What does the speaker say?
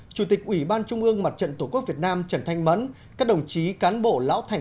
chủ tịch ủy ban trung ương mặt trận tổ quốc việt nam trần thanh mẫn các đồng chí cán bộ lão thành